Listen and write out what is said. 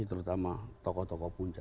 terutama tokoh tokoh punca